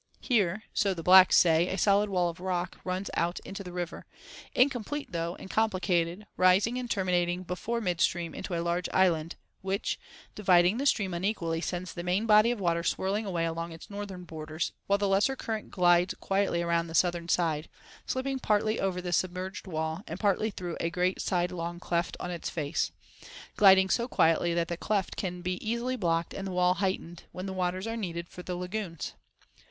Here, so the blacks say, a solid wall of rock runs out into the river, incomplete, though, and complicated, rising and terminating before mid stream into a large island, which, dividing the stream unequally, sends the main body of water swirling away along its northern borders, while the lesser current glides quietly around the southern side, slipping partly over the submerged wall, and partly through a great side long cleft on its face—gliding so quietly that the cleft can be easily blocked and the wall heightened when the waters are needed for the lagoons.